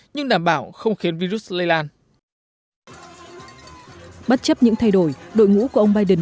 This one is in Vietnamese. nhưng đảm bảo không khiến virus lây lan bất chấp những thay đổi đội ngũ của ông biden